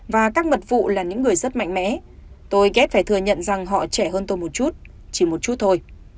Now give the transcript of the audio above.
và các mật vụ là những người rất mạnh mẽ tôi ghép phải thừa nhận rằng họ trẻ hơn tôi một chút chỉ một chút thôi